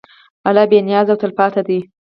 الله بېنیاز او تلپاتې دی.